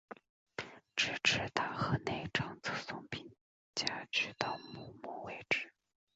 直至大河内长泽松平家去到幕末为止。